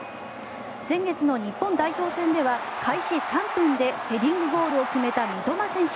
先月の日本代表戦では開始３分でヘディングゴールを決めた三笘選手。